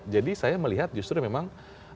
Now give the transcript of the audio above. tapi kalau melihat justru memang